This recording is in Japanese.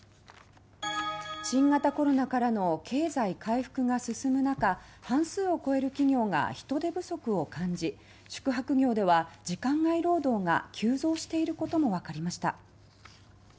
新型コロナからの経済回復が進む中半数を超える企業が人手不足を感じ宿泊業では時間外労働が急増していることもわかりました。